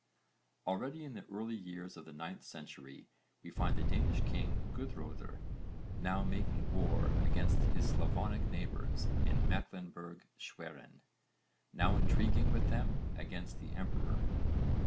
Already in the early years of the 9th century we find the Danish king Guðröðr now making war against his Slavonic neighbours in Mecklenburg Schwerin, now intriguing with them against the emperor.